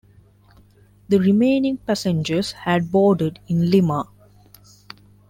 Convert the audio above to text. The remaining passengers had boarded in Lima.